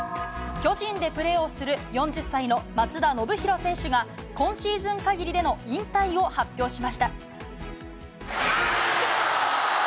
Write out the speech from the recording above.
巨人でプレーをする４０歳の松田宣浩選手が、今シーズンかぎりでの引退を発表しました。